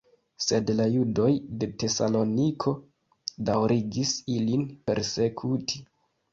Sed la judoj de Tesaloniko daŭrigis ilin persekuti.